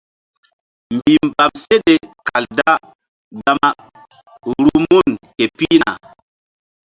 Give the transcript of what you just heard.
Mbihmbam seɗe kal da gama ruh mun ke pihna.